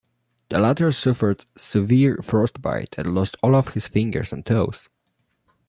The latter suffered severe frostbite and lost all of his fingers and toes.